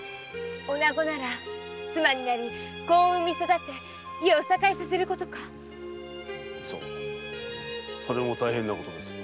女子なら妻になり子を産み育て家を栄えさせることかそうそれも大変なことですよ。